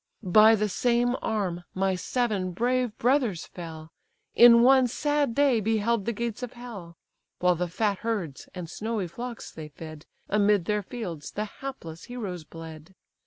"By the same arm my seven brave brothers fell; In one sad day beheld the gates of hell; While the fat herds and snowy flocks they fed, Amid their fields the hapless heroes bled!